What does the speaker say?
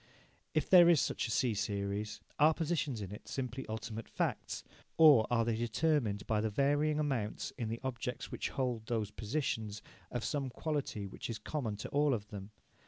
If there is such a C series, are positions in it simply ultimate facts, or are they determined by the varying amounts, in the objects which hold those positions, of some quality which is common to all of them?